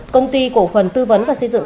công ty cổ phần tư vấn và xây dựng